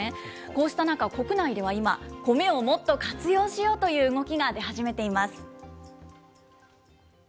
こうした中、国内では今、コメをもっと活用しようという動きが出始めています。